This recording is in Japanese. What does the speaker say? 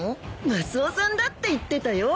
マスオさんだって言ってたよ。